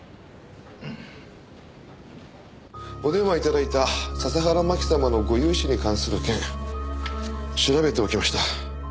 お電話いただいた笹原真紀様のご融資に関する件調べておきました。